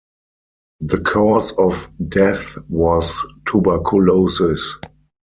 The cause of death was tuberculosis.